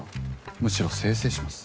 むしろ清々します。